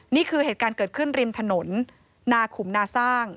นี่คือเหตุการณ์เกิดขึ้นริมถนนนาขุมนาสร้าง